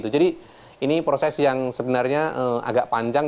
jadi ini proses yang sebenarnya agak panjang